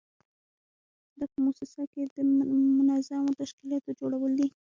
دا په موسسه کې د منظمو تشکیلاتو جوړول دي.